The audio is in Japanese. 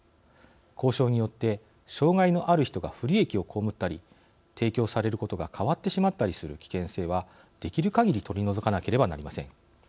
交渉によって障害のある人が不利益を被ったり提供されることが変わってしまったりする危険性はできるかぎり取り除かなければなりません。